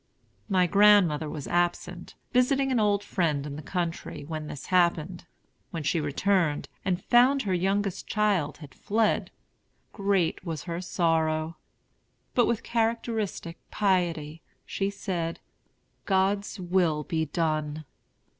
My grandmother was absent, visiting an old friend in the country, when this happened. When she returned, and found her youngest child had fled, great was her sorrow. But, with characteristic piety, she said, "God's will be done."